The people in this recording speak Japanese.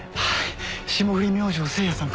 霜降り明星せいやさん。